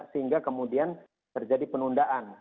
sehingga kemudian terjadi penundaan